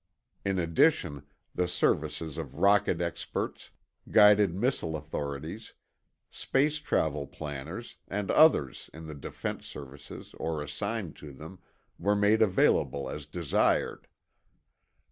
In addition, the services of rocket experts, guided missile authorities, space travel planners, and others (in the defense services or assigned to them) were made available as desired.